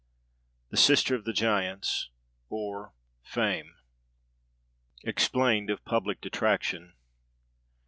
—THE SISTER OF THE GIANTS, OR FAME. EXPLAINED OF PUBLIC DETRACTION.